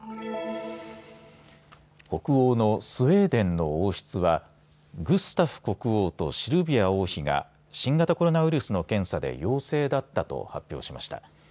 北欧のスウェーデンの王室はグスタフ国王とシルビア王妃が新型コロナウイルスの検査で陽性だったと発表しました。